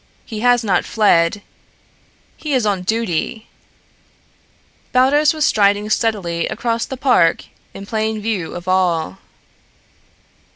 He has not fled. He is on duty!" Baldos was striding steadily across the park in plain view of all.